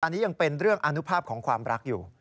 อันนี้ยังเป็นเรื่องอนุภาพของความรักอยู่